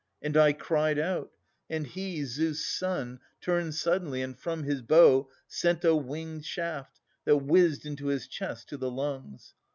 And I cried out; and he, Zeus' son, turned suddenly, and from his bow Sent a wing'd shaft, that whizzed into his chest To the lungs.